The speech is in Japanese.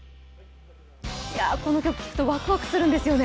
この曲を聴くとワクワクするんですよね。